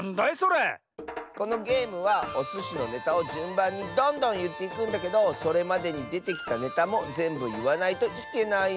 このゲームはおすしのネタをじゅんばんにどんどんいっていくんだけどそれまでにでてきたネタもぜんぶいわないといけないんだ。